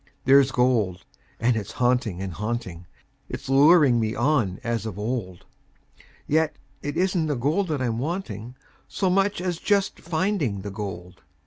There's gold, and it's haunting and haunting; It's luring me on as of old; Yet it isn't the gold that I'm wanting So much as just finding the gold.